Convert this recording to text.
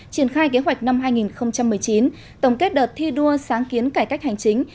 triển khai kế hoạch năm hai nghìn một mươi chín tổng kết đợt thi đua sáng kiến cải cách hành chính